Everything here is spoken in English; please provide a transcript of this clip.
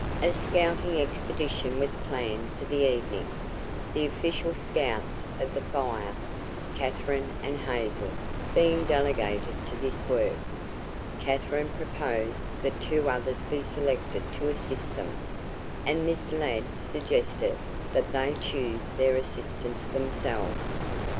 A scouting expedition was planned for the evening, the "official scouts" of the Fire Katherine and Hazel being delegated to this work. Katherine proposed that two others be selected to assist them, and Miss Ladd suggested that they choose their assistants themselves.